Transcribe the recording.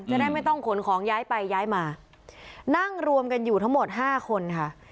จะได้ไม่ต้องขนของย้ายไปย้ายมานั่งรวมกันอยู่ทั้งหมดห้าคนค่ะ